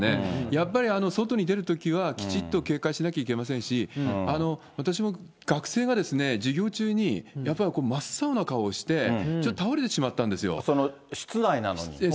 やっぱり外に出るときは、きちっと警戒しなきゃいけませんし、私も学生が、授業中にやっぱり真っ青な顔をして、ちょっと倒れてしまったんで室内なのに？